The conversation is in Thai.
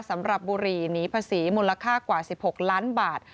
สำหรับบุรีหนีภาษีมนต์ละค่ากว่า๑๖ล้านบาท